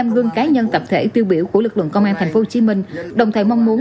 một mươi gương cá nhân tập thể tiêu biểu của lực lượng công an tp hcm đồng thời mong muốn